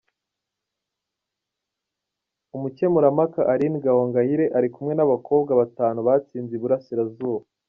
Umukemurampaka Aline Gahongayire arikumwe n’abakobwa batanu batsinze Iburasirazuba.